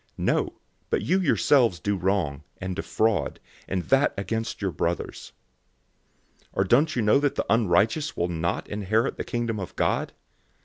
006:008 No, but you yourselves do wrong, and defraud, and that against your brothers. 006:009 Or don't you know that the unrighteous will not inherit the Kingdom of God?